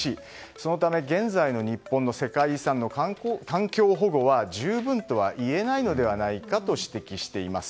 そのため現在の日本の世界遺産の環境保護は十分とはいえないのではないかと指摘しています。